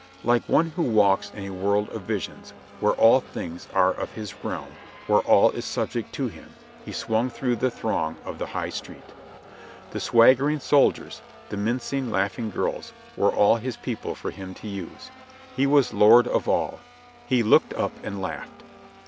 Like one who walks in a world of visions, where all things are of his realm, where all is subject to him, he swung through the throng of the High Street. The swaggering soldiers, the mincing, laughing girls, were all his people for him to use. He was lord of all. He looked up and laughed.